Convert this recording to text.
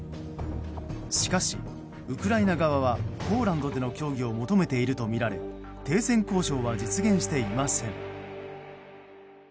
しかし、ウクライナ側はポーランドでの協議を求めているとみられ停戦交渉は実現していません。